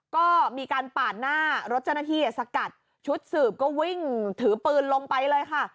ก็มีการปาดหน้ารถเจ้าหน้าที่สกัดชุดสืบก็วิ่งถือปืนลงไปเลยค่ะ